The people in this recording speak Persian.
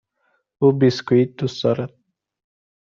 او بیسکوییت دوست دارد.